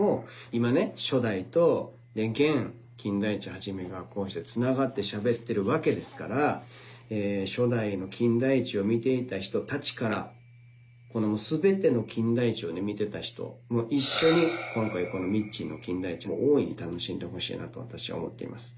今ね初代と現・金田一一がこうしてつながってしゃべってるわけですから初代の『金田一』を見ていた人たちからこの全ての『金田一』を見てた人も一緒に今回このミッチーの『金田一』も大いに楽しんでほしいなと私は思っています。